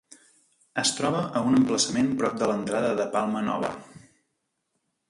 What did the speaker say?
Es troba a un emplaçament prop de l'entrada de Palma Nova.